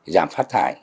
giảm phát thải